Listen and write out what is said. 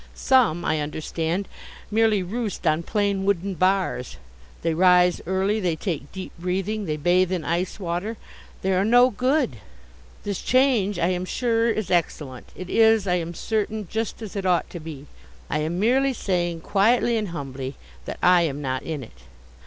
Some, I understand, merely roost on plain wooden bars. They rise early. They take deep breathing. They bathe in ice water. They are no good. This change I am sure, is excellent. It is, I am certain, just as it ought to be. I am merely saying, quietly and humbly, that I am not in it.